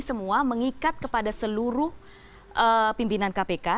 semua mengikat kepada seluruh pimpinan kpk